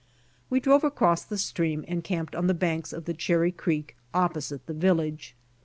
We drove across the stream and camped on the banks of the Cherry creek opposite the village.